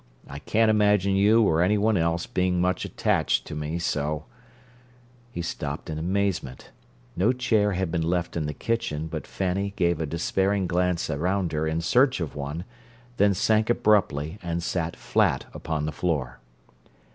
I can't imagine you, or any one else, being much attached to me, so—" He stopped in amazement: no chair had been left in the kitchen, but Fanny gave a despairing glance around her, in search of one, then sank abruptly, and sat flat upon the floor.